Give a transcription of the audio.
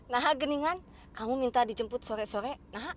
nahak geningan kamu minta dijemput sore sore nahak